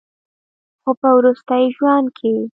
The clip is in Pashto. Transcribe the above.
خو پۀ وروستي ژوند کښې